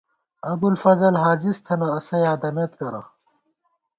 ابُوالفضل ہاجِز تھنہ ، اسہ یادَمېت کرہ